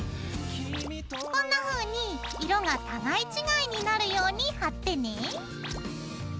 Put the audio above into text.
こんなふうに色が互い違いになるように貼ってね。